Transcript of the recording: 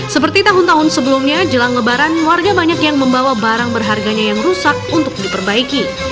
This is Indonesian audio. seperti tahun tahun sebelumnya jelang lebaran warga banyak yang membawa barang berharganya yang rusak untuk diperbaiki